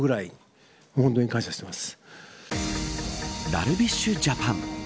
ダルビッシュジャパン。